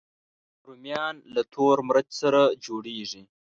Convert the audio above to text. رومیان له تور مرچ سره جوړېږي